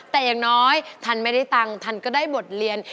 แต่อย่างน้อยทันไม่ได้ตังค์ทันก็ได้บทเรียน